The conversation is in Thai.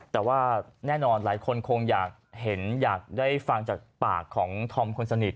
แต่ว่าแน่นอนหลายคนคงอยากเห็นอยากได้ฟังจากปากของธอมคนสนิท